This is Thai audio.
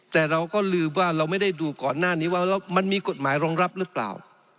แต่เราก็ลืมว่าเราไม่ได้ดูก่อนหน้านี้ว่ามันมีกฎหมายรองรับหรือเปล่า